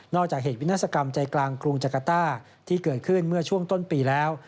จากเหตุวินาศกรรมใจกลางกรุงจักรต้าที่เกิดขึ้นเมื่อช่วงต้นปีแล้ว